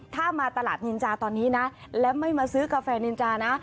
ถ้ามาตลาดนินจาตอนนี้นะและไม่มาซื้อกาแฟนินจานะ